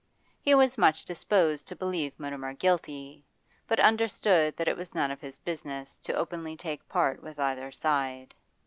He was much disposed to believe Mutimer guilty, but understood that it was none of his business to openly take part with either side.